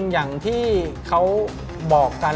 อย่างที่เขาบอกกัน